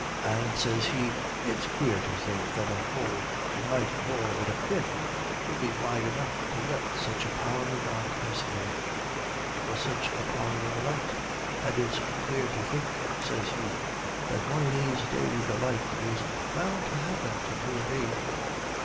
An' sez he, "It's quare to think that a hole ye might bore wid a pin 'Ill be wide enough to let such a power o' darkness in On such a power o' light; an' it's quarer to think," sez he, "That wan o' these days the like is bound to happen to you an' me."